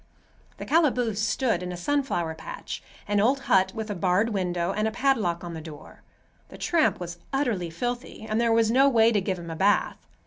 The calaboose stood in a sunflower patch,—an old hut with a barred window and a padlock on the door. The tramp was utterly filthy and there was no way to give him a bath.